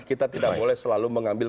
kita tidak boleh selalu mengambil